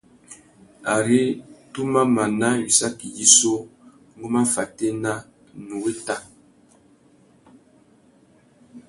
Ari tu má mana wissaki yissú, ngu má fatēna, nnú wéta.